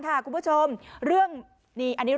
คุณผู้ชมเรื่องนี้อันนี้